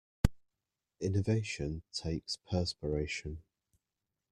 Innovation takes perspiration.